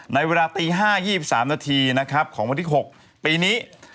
ในเวลาตี๕๒๓ของวันที่๖ปีนี้